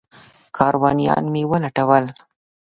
کاروانیان مې ولټول.